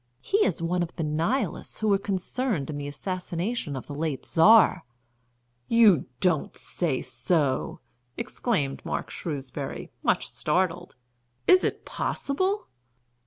He is one of the Nihilists who were concerned in the assassination of the late Czar." "You don't say so!" exclaimed Mark Shrewsbury, much startled. "Is it possible?"